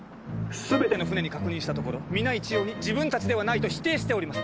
全ての船に確認したところ皆一様に自分たちではないと否定しております。